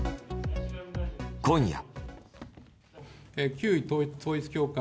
今夜。